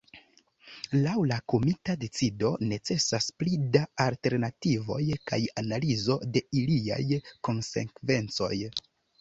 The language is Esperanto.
Laŭ la komita decido necesas pli da alternativoj kaj analizo de iliaj konsekvencoj.